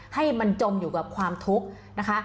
ให้มันจมอยู่กับความทุกข์นะคะ